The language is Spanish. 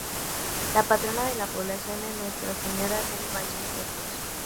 La patrona de la población es Nuestra Señora del Vallehermoso.